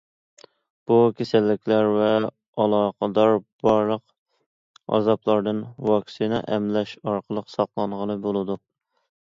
بۇ كېسەللىكلەر ۋە ئالاقىدار بارلىق ئازابلاردىن ۋاكسىنا ئەملەش ئارقىلىق ساقلانغىلى بولىدۇ.